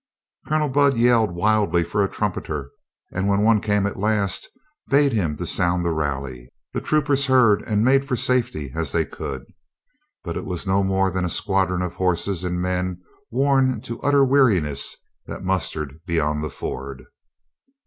Colonel Budd yelled wildly for a trumpeter and when one came at last bade him sound the rally. The troopers heard and made for safety as they could. But it was no more than a squadron of horses and men worn to utter weariness that mustered beyond the ford.